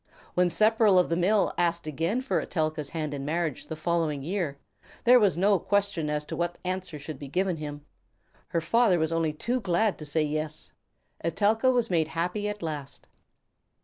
When Sepperl of the Mill asked again for Etelka's hand in marriage the following year, there was no question as to what answer should be given him. Her father was only too glad to say yes. Etelka was made happy at last.